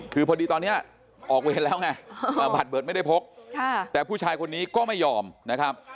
คือพอดีตอนนี้ออกเวรแล้วไงบัตรเบิดไม่ได้พกแต่ผู้ชายคนนี้ก็ไม่ยอมนะครับ